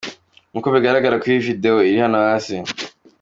Nk’uko bigaragara kuri video iri hano hasi.